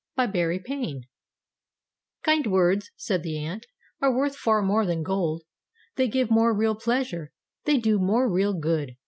VIII KIND WORDS "KIND words," said the Aunt, "are worth far more than gold. They give more real pleasure; they do more real good.